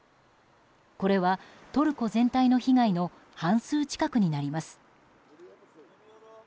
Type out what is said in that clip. これはトルコ全体の被害の半数近くになります。